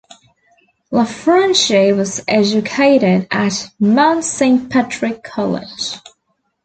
Laffranchi was educated at Mount Saint Patrick College.